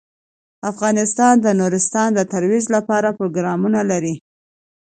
افغانستان د نورستان د ترویج لپاره پروګرامونه لري.